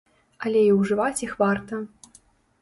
Але і ўжываць іх варта.